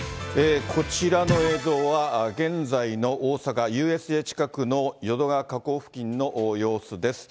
こちらの映像は、現在の大阪・ＵＳＪ近くの淀川河口付近の様子です。